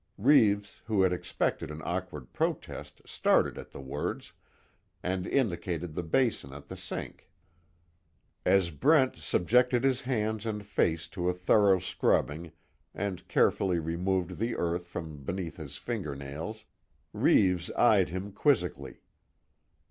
Reeves, who had expected an awkward protest started at the words, and indicated the basin at the sink. As Brent subjected his hands and face to a thorough scrubbing, and carefully removed the earth from beneath his finger nails, Reeves eyed him quizzically.